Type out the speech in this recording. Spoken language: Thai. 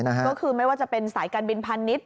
ก็คือไม่ว่าจะเป็นสายการบินพาณิชย